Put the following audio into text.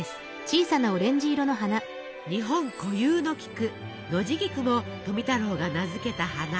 日本固有の菊ノジギクも富太郎が名付けた花。